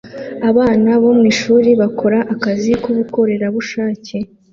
Abana bo mwishuri bakora akazi k'ubukorerabushake